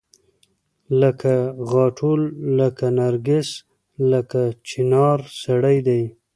لکه غاټول لکه نرګس لکه چنارسړی دی